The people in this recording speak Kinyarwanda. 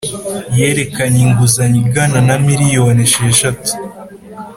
yerekeranye inguzanyo ingana na miliyoni esheshatu